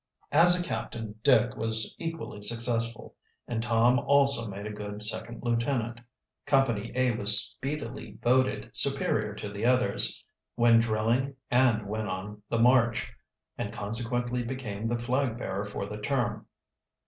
As a captain Dick was equally successful and Tom also made a good second lieutenant. Company A was speedily voted superior to the others, when drilling and when on the march, and consequently became the flag bearer for the term.